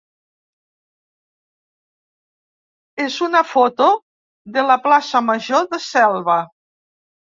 és una foto de la plaça major de Selva.